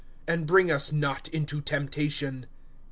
And bring us not into temptation.